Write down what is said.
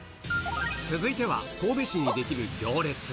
続いては、神戸市に出来る行列。